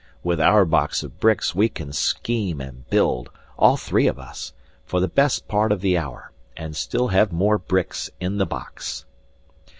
With our box of bricks we can scheme and build, all three of us, for the best part of the hour, and still have more bricks in the box.